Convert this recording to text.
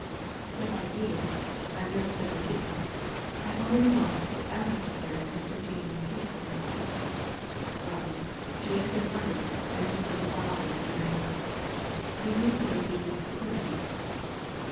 " So I do ; I never said I didn't I only remarked that Ellen declared Mr. Dean would kill her." Well, she has been murdered, and in the most barbarous manner. Do you say Dean is the criminal